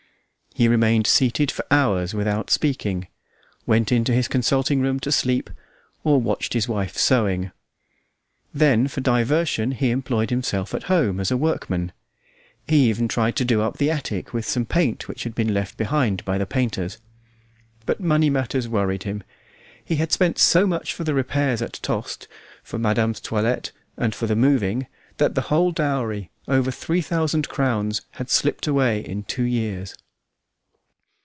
He remained seated for hours without speaking, went into his consulting room to sleep, or watched his wife sewing. Then for diversion he employed himself at home as a workman; he even tried to do up the attic with some paint which had been left behind by the painters. But money matters worried him. He had spent so much for repairs at Tostes, for madame's toilette, and for the moving, that the whole dowry, over three thousand crowns, had slipped away in two years.